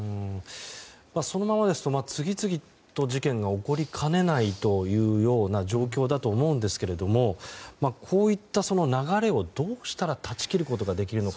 そのままですと次々と事件が起こりかねないという状況だと思うんですけどもこういった流れをどうしたら断ち切ることができるのか。